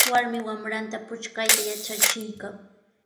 Warmi wamranta puchkayta yatrachiykan.